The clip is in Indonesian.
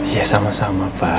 ya sama sama pak